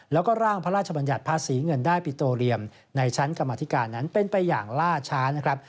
แล้วก็ร่างพระราชบัญญัติภาษีเงินได้ปิโตเรียมในชั้นกรรมธิการนั้นเป็นไปอย่างล่าช้านะครับ